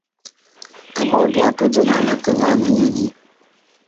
Môt w'ake jô na me ke loene nye nyi.